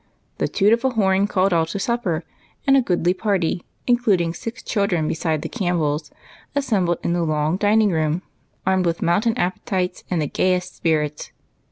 The toot of a horn called all to supper, and a goodly party, including six children besides the Camp bells, assembled in the long dining room, armed with COSEY CORNER. 143 mountain appetites and the gayest spirits.